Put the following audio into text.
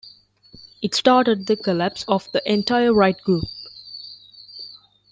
It started the collapse of the entire Wright group.